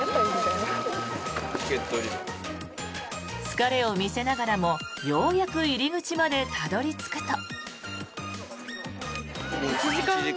疲れを見せながらもようやく入り口までたどり着くと。